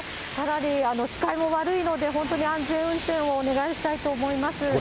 かなり視界も悪いので、本当に安全運転をお願いしたいと思います。